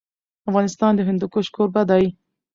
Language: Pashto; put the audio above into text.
افغانستان د هندوکش کوربه دی.